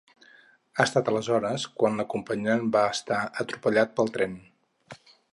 Ha estat aleshores quan l’acompanyant va estar atropellar pel tren.